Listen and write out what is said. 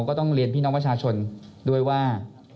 ก็ต้องเรียนพี่น้องประชาชนด้วยว่า